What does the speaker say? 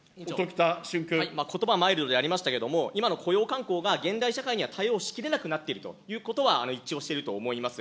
ことばはマイルドでありましたけれども、今の雇用慣行が現代社会には対応しきれなくなっているということは一致はしていると思います。